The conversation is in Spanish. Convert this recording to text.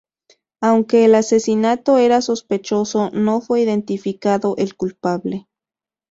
Aunque el asesinato era sospechoso, no fue identificado el culpable.